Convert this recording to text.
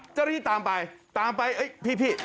เจ้าหน้าที่ตามไปตามไปพี่